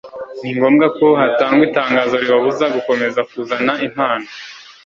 ni ngombwa ko hatangwa itangazo ribabuza gukomeza kuzana impano